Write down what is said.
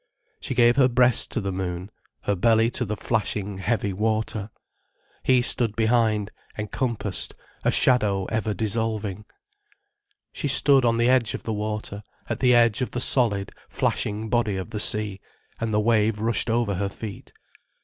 [She gave her breast to the moon, her belly to the flashing, heaving water.] He stood behind, encompassed, a shadow ever dissolving. She stood on the edge of the water, at the edge of the solid, flashing body of the sea, and the wave rushed over her feet.